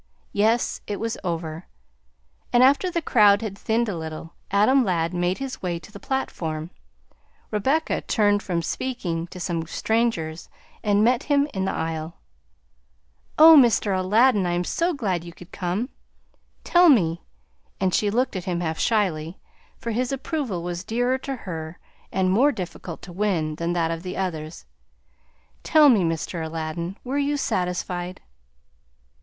Yes, it was over, and after the crowd had thinned a little, Adam Ladd made his way to the platform. Rebecca turned from speaking to some strangers and met him in the aisle. "Oh, Mr. Aladdin, I am so glad you could come! Tell me" and she looked at him half shyly, for his approval was dearer to her, and more difficult to win, than that of the others "tell me, Mr. Aladdin, were you satisfied?"